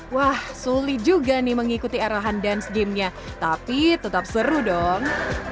wah sulit juga nih mengikuti arahan dance gamenya tapi tetap seru dong